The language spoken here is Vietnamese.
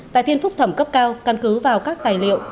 tại phiên phúc thẩm cấp cao căn cứ vào các tài liệu